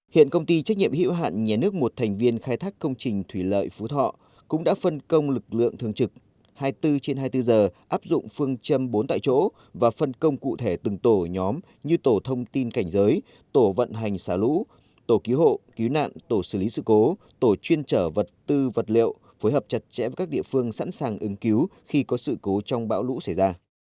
hiện công ty trách nhiệm hiệu hạn nhé nước một thành viên khai thác công trình thủy lợi phú thọ cũng đã phân công lực lượng thường trực hai mươi bốn trên hai mươi bốn giờ áp dụng phương châm bốn tại chỗ và phân công cụ thể từng tổ nhóm như tổ thông tin cảnh giới tổ vận hành xả lũ tổ cứu hộ cứu nạn tổ xử lý sự cố tổ chuyên trở vật tư vật liệu phối hợp chặt chẽ với các địa phương sẵn sàng ứng cứu khi có sự cố trong bão lũ xảy ra